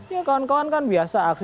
ya kawan kawan kan biasa aksi